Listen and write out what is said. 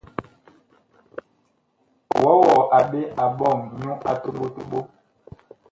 Wɔwɔɔ a ɓe a ɓɔŋ nyu a toɓo toɓo ?